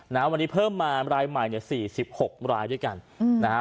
วันนี้เพิ่มมารายใหม่เนี่ย๔๖รายด้วยกันอืมนะฮะ